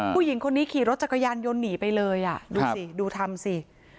ผู้หญิงคนนี้ขี่รถจักรยานโยนหนีไปเลยดูทำสิ